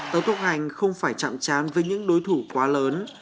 tớ thuộc hành không phải chặn chán với những đối thủ quá lớn